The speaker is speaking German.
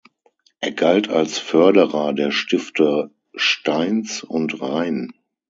Er galt als Förderer der Stifte Stainz und Rein.